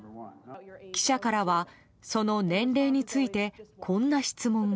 記者からは、その年齢についてこんな質問が。